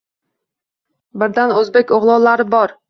Birdan o‘zbek o‘g‘lonlari bor.